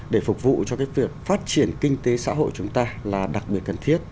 để phục vụ cho cái việc phát triển kinh tế xã hội chúng ta là đặc biệt cần thiết